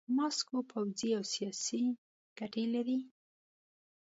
ماسکو پوځي او سیاسي ګټې لري.